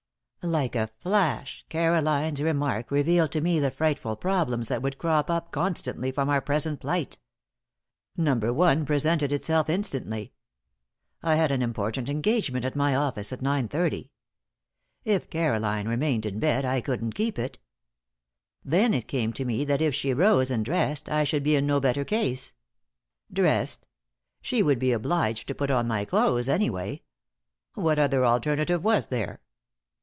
Like a flash, Caroline's remark revealed to me the frightful problems that would crop up constantly from our present plight. Number one presented itself instantly; I had an important engagement at my office at 9:30. If Caroline remained in bed I couldn't keep it. Then it came to me that if she rose and dressed I should be in no better case. Dressed? She would be obliged to put on my clothes, anyway! What other alternative was there?